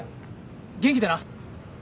元気でな。